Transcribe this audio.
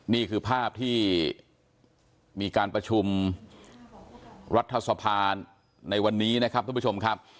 นี่คือภาพที่มีการประชุมรัฐสภาในวันนี้นะครับทุกผู้ชมครับ